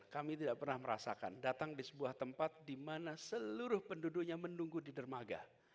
kami tidak pernah merasakan datang di sebuah tempat di mana seluruh penduduknya menunggu di dermaga